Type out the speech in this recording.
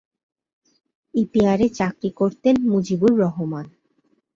ইপিআরে চাকরি করতেন মজিবুর রহমান।